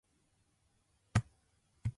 彼氏よ